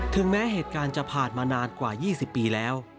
แม้เหตุการณ์จะผ่านมานานกว่า๒๐ปีแล้ว